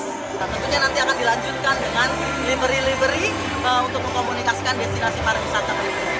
tentunya nanti akan dilanjutkan dengan livery livery untuk mengkomunikaskan destinasi pariwisata